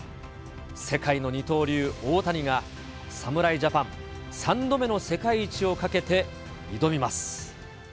世界の二刀流、大谷が侍ジャパン、３度目の世界一をかけて、挑みます。